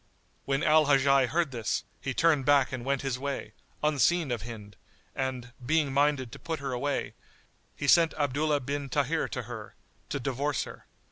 [FN#95] When Al Hajjaj heard this, he turned back and went his way, unseen of Hind; and, being minded to put her away, he sent Abdullah bin Tahir to her, to divorce her.